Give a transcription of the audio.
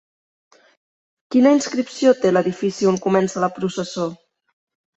Quina inscripció té l'edifici on comença la processó?